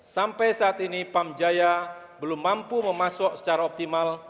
sampai saat ini pam jaya belum mampu memasok secara optimal